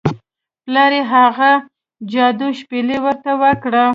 پلار یې هغه جادويي شپیلۍ ورته ورکړه.